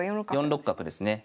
４六角ですね。